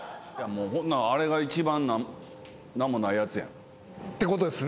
ほんならあれが一番何もないやつやん。ってことですね。